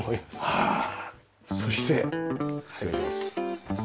そして失礼します。